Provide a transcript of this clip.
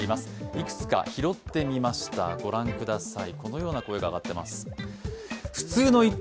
いくつか拾ってみました、ご覧ください。